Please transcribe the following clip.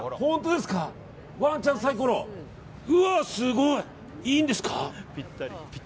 すごい！いいんですか？